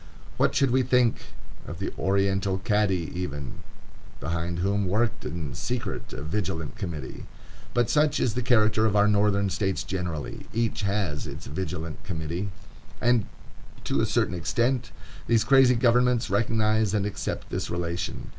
What should we think of the oriental Cadi even, behind whom worked in secret a Vigilant Committee? But such is the character of our Northern States generally; each has its Vigilant Committee. And, to a certain extent, these crazy governments recognize and accept this relation.